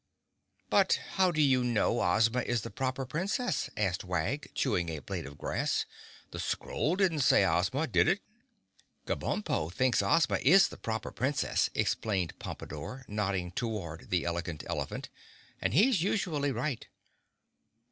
"But how do you know Ozma is the Proper Princess?" asked Wag, chewing a blade of grass. "The scroll didn't say Ozma, did it?" "Kabumpo thinks Ozma is the Proper Princess," explained Pompadore, nodding toward the Elegant Elephant, "and he's usually right!"